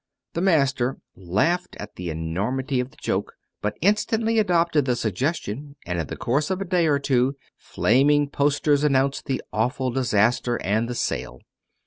The master laughed at the enormity of the joke, but instantly adopted the suggestion, and in the course of a day or two, flaming posters announced the awful disaster and the sale.